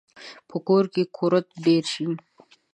په کور کې کورت ډیر شي